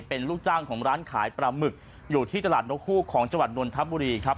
เป็นลูกจ้างของร้านขายปลาหมึกอยู่ที่ตลาดนกฮูกของจังหวัดนนทบุรีครับ